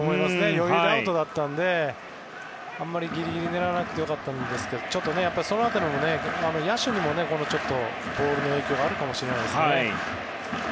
余裕でアウトだったのであまりギリギリを狙わなくても良かったんですがその辺りも野手にもボールの影響があるかもしれないですね。